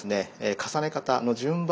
重ね方の順番。